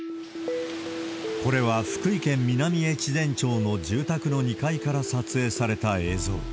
これは、福井県南越前町の住宅の２階から撮影された映像。